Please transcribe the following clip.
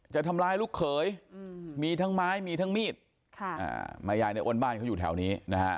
จะทำร้ายลูกเขยมีทั้งไม้มีทั้งมีดแม่ยายในอ้นบ้านเขาอยู่แถวนี้นะฮะ